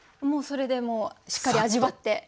もうそれでしっかり味わって？